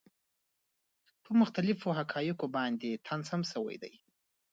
پۀ مختلفو حقائقو باندې طنز هم شوے دے،